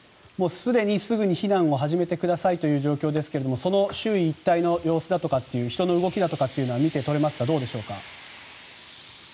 すでに、すぐに避難を始めてくださいという状況ですがその周囲一帯の様子だとかっていう人の動きだというのは見て取れますか？